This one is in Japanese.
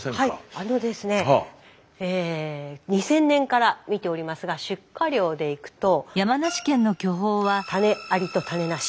あのですね２０００年から見ておりますが出荷量でいくと種ありと種なし。